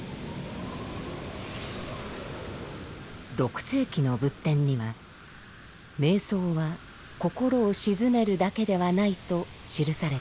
６世紀の仏典には「瞑想は心を静めるだけではない」と記されています。